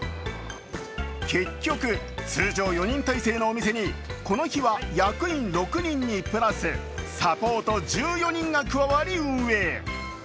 結局、通常４人体制のお店にこの日は役員６人にプラスサポート１４人が加わり運営。